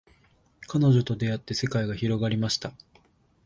彼女と出会って世界が広がりました